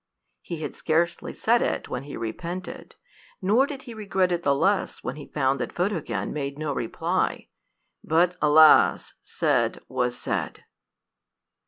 He had scarcely said it when he repented; nor did he regret it the less when he found that Photogen made no reply. But, alas! said was said.